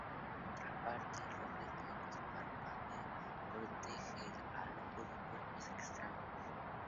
Por otra parte, el reflejo del parpadeo protege al ojo de cuerpos extraños.